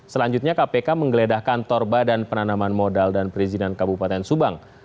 selanjutnya kpk menggeledah kantor badan penanaman modal dan perizinan kabupaten subang